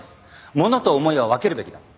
物と思いは分けるべきだ。